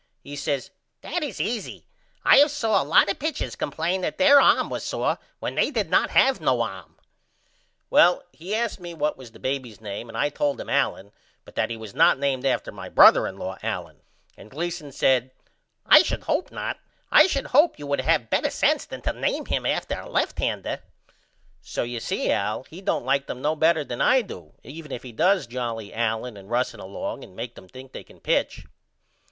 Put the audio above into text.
He says That is easy. I have saw a lot of pitchers complane that there arm was sore when they did not have no arm. Then he asked me what was the baby's name and I told him Allen but that he was not named after my brother in law Allen. And Gleason says I should hope not. I should hope you would have better sense then to name him after a left hander. So you see Al he don't like them no better then I do even if he does jolly Allen and Russell along and make them think they can pitch.